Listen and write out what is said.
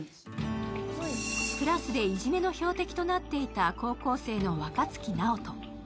クラスでいじめの標的となっていた高校生の若槻ナオト。